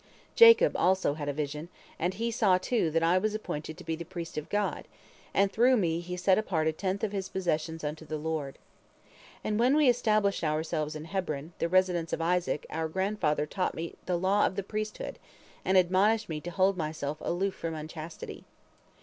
Jacob also had a vision, and he saw, too, that I was appointed to be the priest of God, and through me he set apart a tenth of his possessions unto the Lord. And when we established ourselves in Hebron, the residence of Isaac, our grandfather taught me the law of the priesthood, and admonished me to hold myself aloof from unchastity.